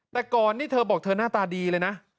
แต่ก่อนนี่เธอบอกเธอหน้าตาดีเลยนะ